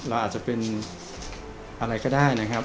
เราอาจจะเป็นอะไรก็ได้นะครับ